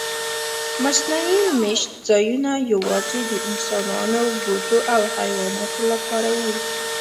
مصنوعي میشت ځایونه یواځې د انسانانو، بوټو او حیواناتو لپاره وو.